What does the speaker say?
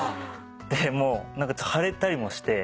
でもう腫れたりもして。